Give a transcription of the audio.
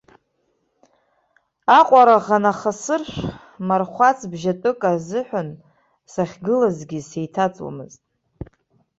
Аҟәараӷ анахасыршә, мархәац бжьатәык азыҳәан сахьгылазгьы сеиҭаҵуамызт.